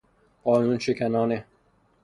قانون شکنانه